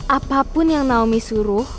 apapun yang naomi suruh